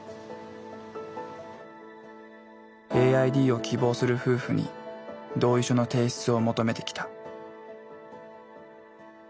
ＡＩＤを希望する夫婦に同意書の提出を求めてきた。